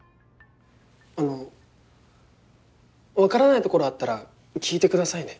あのわからないところあったら聞いてくださいね。